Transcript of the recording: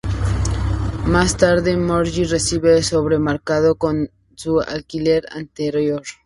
Más tarde, Margie recibe un sobre marcado con su alquiler interior.